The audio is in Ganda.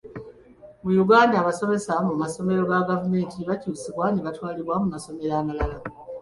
Mu Uganda abasomesa mu masomero ga gavumenti bakyusibwa nebatwalibwa mu masomero amalala.